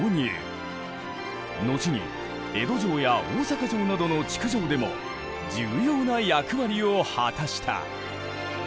後に江戸城や大坂城などの築城でも重要な役割を果たした。